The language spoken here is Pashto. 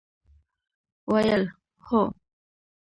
ویل: هو!